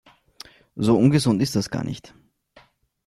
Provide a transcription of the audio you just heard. So ungesund ist das gar nicht.